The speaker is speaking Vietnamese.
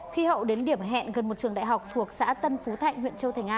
khi hậu đến điểm hẹn gần một trường đại học thuộc xã tân phú thạnh huyện châu thành a